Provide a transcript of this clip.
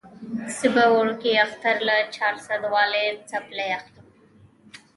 زه به وړوکي اختر له چارسدوالې څپلۍ اخلم